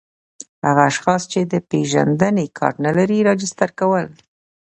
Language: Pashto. هغه اشخاص چي د پېژندني کارت نلري راجستر کول